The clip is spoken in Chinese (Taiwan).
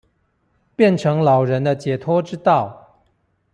變成老人的解脫之道